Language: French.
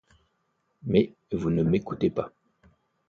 Mais vous ne m’écoutez pas.